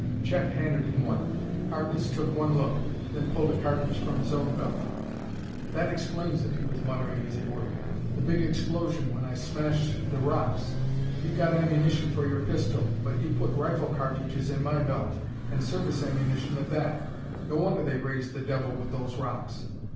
Chet handed him one. Harkness took one look, then pulled a cartridge from his own belt. "That explains it," he was muttering as he worked, " the big explosion when I smashed the rocks. You've got ammunition for your pistol, but you put rifle cartridges in my belt and service ammunition at that. No wonder they raised the devil with those rocks!"